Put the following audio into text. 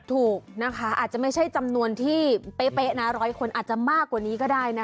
ถูกนะคะอาจจะไม่ใช่จำนวนที่เป๊ะนะร้อยคนอาจจะมากกว่านี้ก็ได้นะ